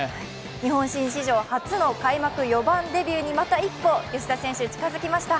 日本人史上初の開幕４番デビューにまた一歩、吉田選手近づきました。